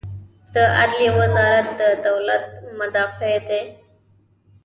د عدلیې وزارت د دولت مدافع دی